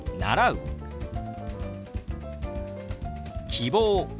「希望」。